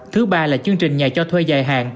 thứ ba là chương trình nhà cho thuê dài hạn